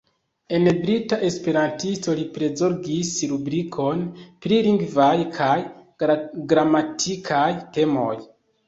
En Brita Esperantisto li prizorgis rubrikon pri lingvaj kaj gramatikaj temoj.